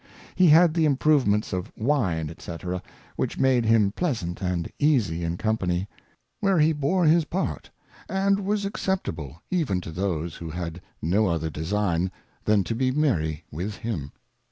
He had the Improvements of Wine, &c. which made him pleasant and easy in Company ; where he bore his part, and was acceptable even to those who had no other Design than to be merry with him.